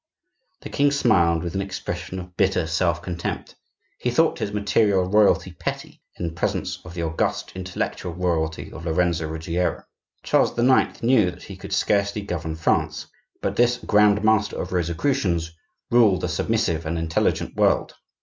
The king smiled, with an expression of bitter self contempt; he thought his material royalty petty in presence of the august intellectual royalty of Lorenzo Ruggiero. Charles IX. knew that he could scarcely govern France, but this grand master of Rosicrucians ruled a submissive and intelligent world.